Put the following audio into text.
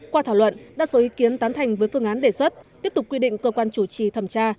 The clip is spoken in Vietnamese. qua thảo luận đa số ý kiến tán thành với phương án đề xuất tiếp tục quy định cơ quan chủ trì thẩm tra